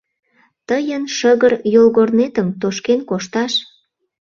Тыйын шыгыр йолгорнетым тошкен кошташ.